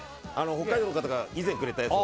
北海道の方が前くれたやつ。